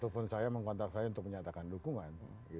tepun saya menghantar saya untuk menyatakan dukungan